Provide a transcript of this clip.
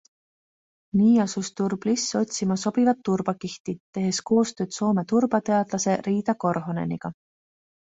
Nii asus Turbliss otsima sobivat turbakihti, tehes koostööd Soome turbateadlase Riita Korhoneniga.